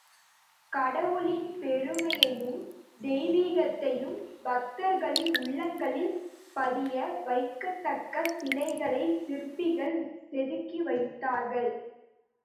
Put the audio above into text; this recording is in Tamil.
கடவுளின் பெருமையையும், தெய்வீகத்தையும் பக்தர்களின் உள்ளங்களில் பதிய வைக்கத்தக்க சிலைகளைச் சிற்பிகள் செதுக்கி வைத்தார்கள்.